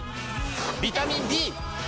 ビタミン Ｂ！